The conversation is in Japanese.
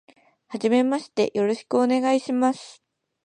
はじめまして、よろしくお願いします。